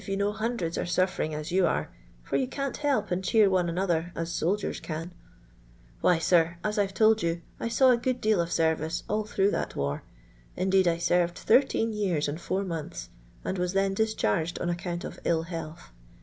263 jou know hundreds sre vuffering n yoo me, for you can't help and cheer one another as soldiers ! can. "Well, sir, as I 're toH you, I saw a good deal of service all through that war. Indeed I serred thirteen years and four months, and was then discharged on account of ill health.